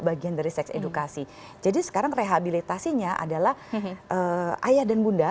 bagian dari seks edukasi jadi sekarang rehabilitasinya adalah ayah dan bunda